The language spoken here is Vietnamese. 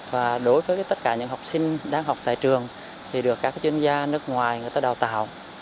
và đối với tất cả những học sinh đang học tại trường thì được các chuyên gia nước ngoài người ta đào tạo